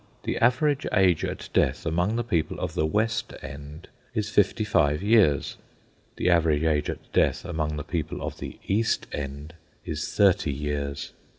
The average age at death among the people of the West End is fifty five years; the average age at death among the people of the East End is thirty years.